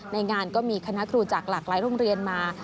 ในงานก็มีคณะครูจากหลากหลายโรงเรียนมา